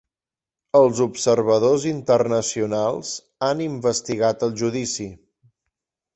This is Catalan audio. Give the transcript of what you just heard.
Els observadors internacionals han investigat el judici